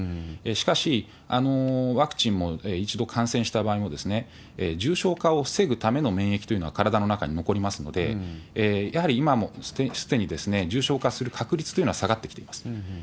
しかし、ワクチンも一度感染した場合も、重症化を防ぐための免疫というのは体の中に残りますので、やはり今もすでに重症化する確率というのは下がってきています。